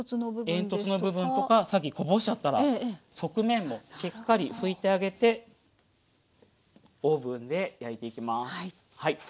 煙突部分とかさっきこぼしちゃったら側面もしっかり拭いてあげてオーブンで焼いていきます。